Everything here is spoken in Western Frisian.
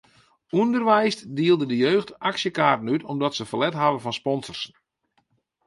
Underweis dielde de jeugd aksjekaarten út omdat se ferlet hawwe fan sponsors.